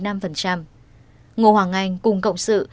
ngô hoàng anh cùng cộng sự